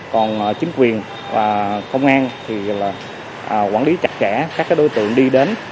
còn chính quyền và công an thì quản lý chặt chẽ các đối tượng đi đến